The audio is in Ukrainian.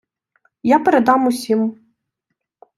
Я передам усім.